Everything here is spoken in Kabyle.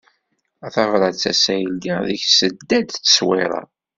A tabrat assa i ldiɣ, deg-s tedda-d tteṣwira.